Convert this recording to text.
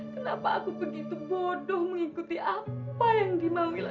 kenapa aku begitu bodoh mengikuti apa yang dimauin laki laki